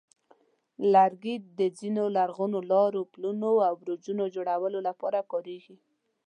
لرګي د ځینو لرغونو لارو، پلونو، او برجونو جوړولو لپاره کارېږي.